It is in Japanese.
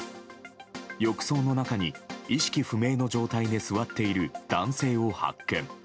浴槽の中に意識不明の状態で座っている男性を発見。